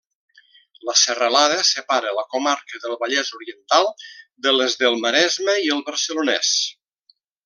La serralada separa la comarca del Vallès Oriental de les del Maresme i el Barcelonès.